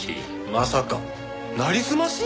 まさかなりすまし？